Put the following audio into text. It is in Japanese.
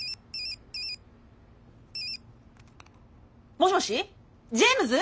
もしもしジェームズ！？